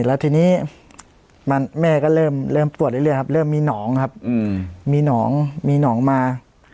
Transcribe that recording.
แล้วทีนี้มันแม่ก็เริ่มเริ่มปวดเรื่อยเรื่อยครับเริ่มมีหนองครับอืมมีหนองมีหนองมา